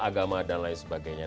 agama dan lain sebagainya